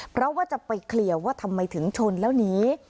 เพราะว่าจะไปเคลียร์ว่าทำไมถึงชนแล้วหนี